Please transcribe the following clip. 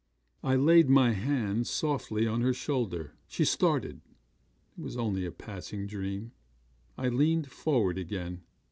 I laid my hand softly on her shoulder. She started it was only a passing dream. I leaned forward again.